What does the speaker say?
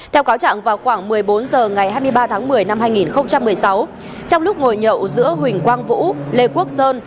theo cáo trạng vào khoảng một mươi bốn h ngày hai mươi ba tháng một mươi năm hai nghìn một mươi sáu trong lúc ngồi nhậu giữa huỳnh quang vũ lê quốc sơn